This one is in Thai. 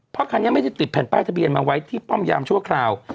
เพราะคันนี้ไม่ได้ติดแผ่นป้ายทะเบียนมาไว้ที่ป้อมยามชั่วคราว